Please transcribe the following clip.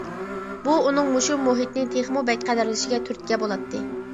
بۇ ئۇنىڭ مۇشۇ مۇھىتنى تېخىمۇ بەك قەدىرلىشىگە تۈرتكە بولاتتى.